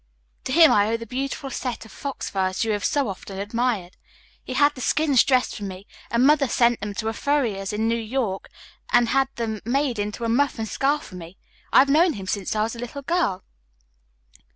To him I owe the beautiful set of fox furs, you have so often admired. He had the skins dressed for me, and Mother sent them to a furrier's in New York and had them made into a muff and scarf for me. I have known him since I was a little girl."